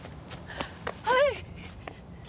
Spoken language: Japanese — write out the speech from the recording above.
はい！